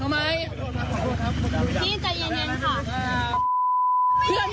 ไหนย่งขับอยู่ไหน